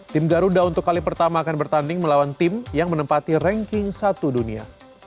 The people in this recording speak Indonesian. tim garuda untuk kali pertama akan bertanding melawan tim yang menempati ranking satu dunia